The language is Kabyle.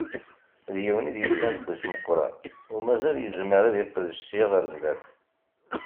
D yiwen i d-yeǧǧan leqdic meqqren u mazal yezmer ad yeqdec sya ar sdat.